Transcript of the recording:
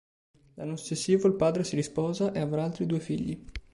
L’anno successivo il padre si risposa e avrà altri due figli.